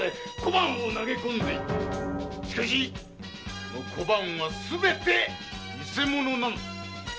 その小判はすべて偽物なのだ。